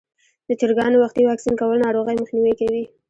د چرګانو وختي واکسین کول ناروغۍ مخنیوی کوي.